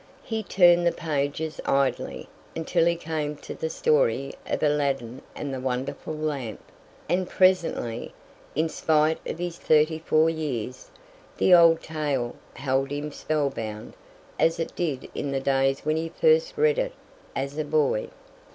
He turned the pages idly until he came to the story of Aladdin and the Wonderful Lamp, and presently, in spite of his thirty four years, the old tale held him spellbound as it did in the days when he first read it as a boy.